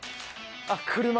あっ車の？